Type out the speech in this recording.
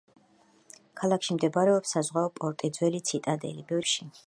ქალაქში მდებარეობს საზღვაო პორტი, ძველი ციტადელი, ბევრი მაღაზია ვიწრო ქუჩებში.